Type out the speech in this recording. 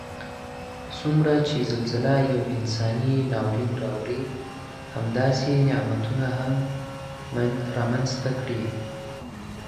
څومره چې زلزله یو انساني ناورین راوړي همداسې نعمتونه هم رامنځته کړي